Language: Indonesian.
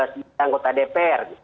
sebagai anggota dpr